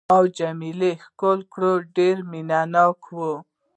ما او جميله ښکل کړل، ډېر مینه ناک وو.